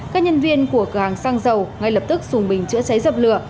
các nhân viên của cửa hàng xăng dầu ngay lập tức dùng bình chữa cháy dập lửa